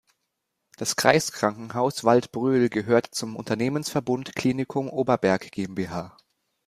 Das Kreiskrankenhaus Waldbröl gehört zum Unternehmensverbund Klinikum Oberberg GmbH.